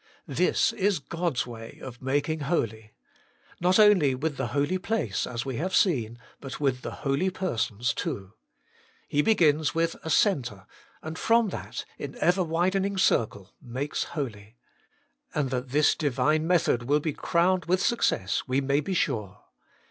This is God's way of making holy. Not only with the holy place, as we have seen, but with the holy persons too, He begins with a centre, and 86 HOLT IN OHBIST. from that in ever widening circle makes holy. And that this Divine method will be crowned with success we may be sure.